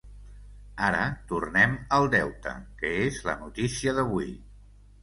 Ara tornem al deute, que és la notícia d’avui.